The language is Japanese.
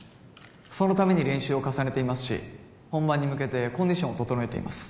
そのために練習を重ねていますし本番に向けてコンディションを整えています